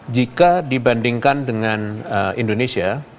jika dibandingkan dengan indonesia